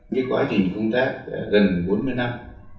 cái quá trình công tác gần bốn mươi năm